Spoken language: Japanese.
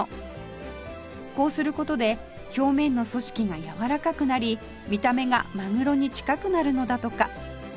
こうする事で表面の組織がやわらかくなり見た目がマグロに近くなるのだとか